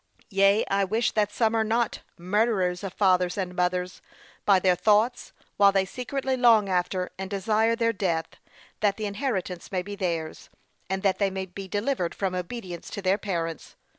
Yea, I wish that some are not 'murderers of fathers and mothers,' by their thoughts, while they secretly long after, and desire their death, that the inheritance may be theirs, and that they may be delivered from obedience to their parents.